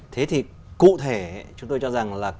thế thì cụ thể chúng tôi cho rằng là